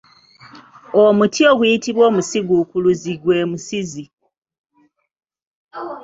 Omuti oguyitibwa omusiguukuluzi gwe Musizi.